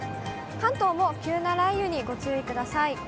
関東も急な雷雨にご注意ください。